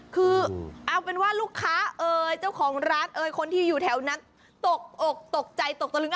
คือเอาเป็นว่าลูกค้าเอ่ยเจ้าของร้านเอ่ยคนที่อยู่แถวนั้นตกอกตกใจตกตะลึง